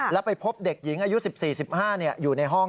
แล้วไปพบเด็กหญิงอายุ๑๔๑๕อยู่ในห้อง